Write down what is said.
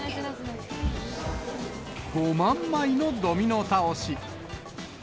５万枚のドミノ倒し。